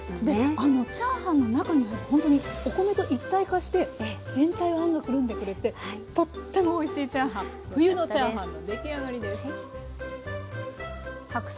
あのチャーハンの中に入るとほんとにお米と一体化して全体をあんがくるんでくれてとってもおいしいチャーハン冬のチャーハンの出来上がりです。